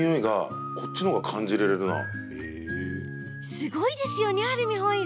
すごいですよねアルミホイル。